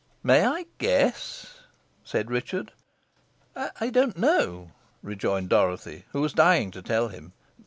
"May I guess?" said Richard. "I don't know," rejoined Dorothy, who was dying to tell him.